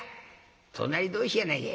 隣同士やないか。